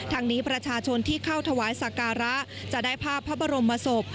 ทางนี้ประชาชนที่เข้าถวายสักการะจะได้ภาพพระบรมศพ